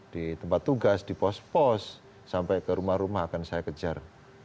di tempat tugas di pos pos sampai ke rumah rumah akan saya kejar